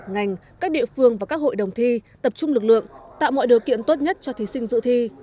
ngành các địa phương và các hội đồng thi tập trung lực lượng tạo mọi điều kiện tốt nhất cho thí sinh dự thi